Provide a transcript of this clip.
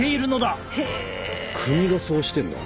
国がそうしてんだ。